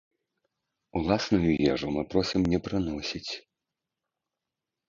Уласную ежу мы просім не прыносіць.